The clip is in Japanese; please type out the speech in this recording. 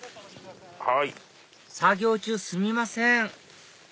作業中すみません